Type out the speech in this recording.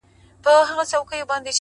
دا ستا په ياد كي بابولاله وايم’